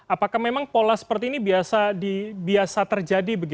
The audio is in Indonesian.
apakah memang pola seperti ini biasa terjadi